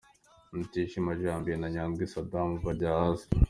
Mutijima Janvier na Nyandwi Sadam bajya hasi.